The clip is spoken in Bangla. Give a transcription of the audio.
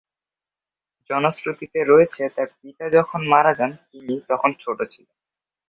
জনশ্রুতি রয়েছে তার পিতা যখন মারা যান তিনি তখন ছোট ছিলেন।